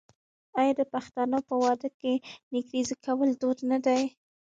آیا د پښتنو په واده کې نکریزې کول دود نه دی؟